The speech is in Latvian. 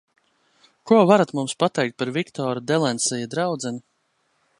Ko varat mums pateikt par Viktora Delensija draudzeni?